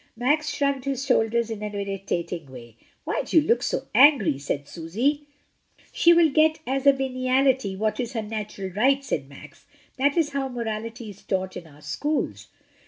Max shrugged his shoulders in an irritating way. "Why do you look so angry?" said Susy. "She will get as a veniality what is her natural right," said Max. "That is how morality is taught in our schools."